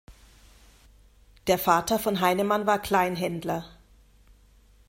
Der Vater von Heinemann war Kleinhändler.